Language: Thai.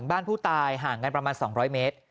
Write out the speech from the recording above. ง่านักจ่ายไปหมื่นนึง